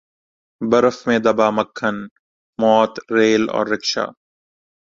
برف میں دبا مکھن موت ریل اور رکشا